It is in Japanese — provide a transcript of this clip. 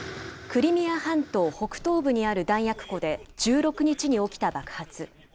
クリミア半島北東部にある弾薬庫で、１６日に起きた爆発。